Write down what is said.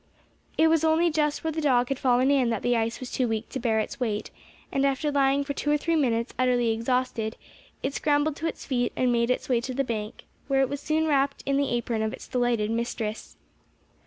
It was only just where the dog had fallen in that the ice was too weak to bear its weight, and, after lying for two or three minutes utterly exhausted, it scrambled to its feet and made its way to the bank, where it was soon wrapped in the apron of its delighted mistress.